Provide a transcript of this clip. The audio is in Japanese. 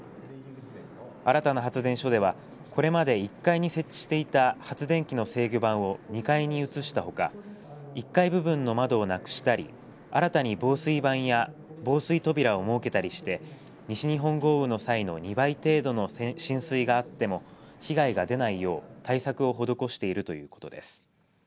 新たな発電所ではこれまで１階に設置していた発電機の制御盤を２階に移したほか１階部分の窓をなくしたり新たに防水版や防水扉を設けたりして西日本豪雨の際の２倍程度の浸水があっても被害が出ないよう対策を施しているということです。